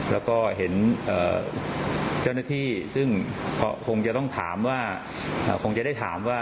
แล้วก็เห็นเจ้าหน้าที่ซึ่งคงจะต้องถามว่า